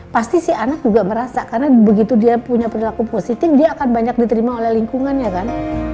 pasti si anak juga merasa karena begitu dia punya perilaku positif dia akan banyak diterima oleh lingkungannya kan